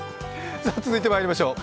続いてまいりましょう。